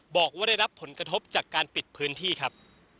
บอกว่าได้รับผลกระทบจากการปิดพื้นที่ครับ